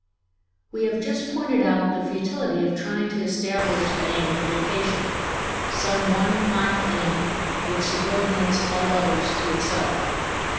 We have just pointed out the futility of trying to establish the aim of education some one final aim which subordinates all others to itself.